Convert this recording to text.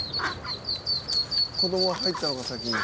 子供は入ったのか先に。